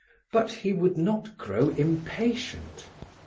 But he would not grow impatient.